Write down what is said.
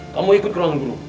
kamu ikut ruangan dulu